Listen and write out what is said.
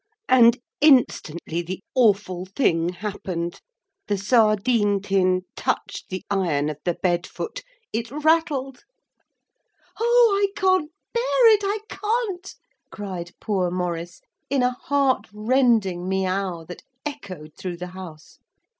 And instantly the awful thing happened. The sardine tin touched the iron of the bed foot. It rattled. 'Oh, I can't bear it, I can't,' cried poor Maurice, in a heartrending meaow that echoed through the house.